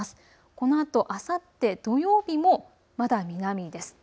このあとあさって土曜日もまだ南です。